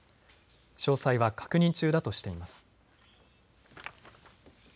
詳細は確認中だとしています。